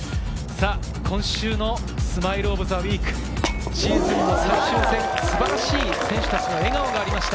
今週のスマイル・オブ・ザ・ウィーク、シーズン最終戦、素晴らしい選手たちの笑顔がありました。